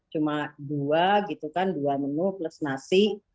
cuma dua gitu kan dua menu plus nasi